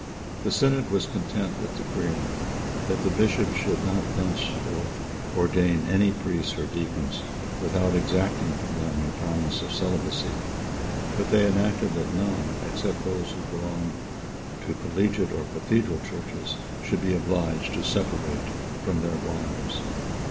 The synod was content with decreeing, that the bishops should not thenceforth ordain any priests or deacons without exacting from them a promise of celibacy; but they enacted that none, except those who belonged to collegiate or cathedral churches, should be obliged to separate from their wives.